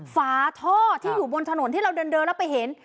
ฝาท่อที่อยู่บนถนนที่เราเดินแล้วไปเห็น